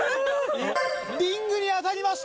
リングに当たりました！